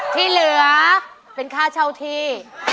ที่เหลือเป็นค่าเช่าที่